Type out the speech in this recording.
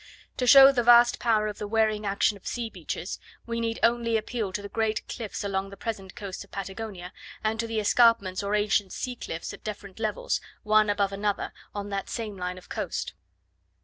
To show the vast power of the wearing action of sea beaches, we need only appeal to the great cliffs along the present coast of Patagonia, and to the escarpments or ancient sea cliffs at different levels, one above another, on that same line of coast.